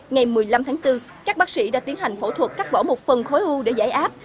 ngày một mươi năm tháng bốn các bác sĩ đã tiến hành phẫu thuật cắt bỏ một phần khối u để giải áp